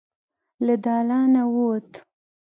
له دالانه ووت.